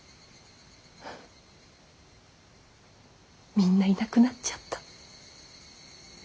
みんないなくなっちゃった。